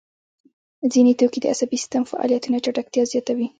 ځیني توکي د عصبي سیستم فعالیتونه چټکتیا زیاتوي.